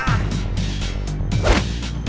apa yang kita lakukan